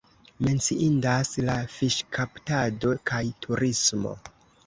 Menciindas la fiŝkaptado kaj turismo.